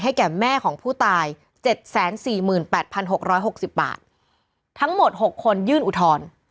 แก่แม่ของผู้ตาย๗๔๘๖๖๐บาททั้งหมด๖คนยื่นอุทธรณ์